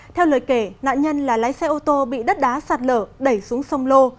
theo lời kể nạn nhân là lái xe ô tô bị đất đá sạt lở đẩy xuống sông lô